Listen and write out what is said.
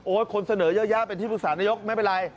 โอ๊ยคนเสนอย่าเป็นที่ภูมิสารนายกไม่เป็นไร